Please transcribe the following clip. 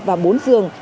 và bốn giường